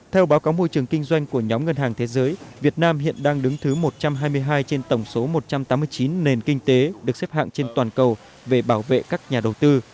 theo báo cáo môi trường kinh doanh của nhóm ngân hàng thế giới việt nam hiện đang đứng thứ một trăm hai mươi hai trên tổng số một trăm tám mươi chín nền kinh tế được xếp hạng trên toàn cầu về bảo vệ các nhà đầu tư